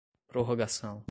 prorrogação